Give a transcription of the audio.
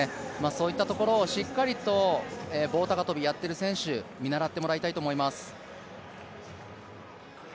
そういったところをしっかりと棒高跳をやっている選手、見習ってもらいたいと思います。